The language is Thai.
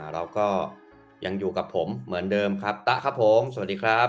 เราก็ยังอยู่กับผมเหมือนเดิมครับตะครับผมสวัสดีครับ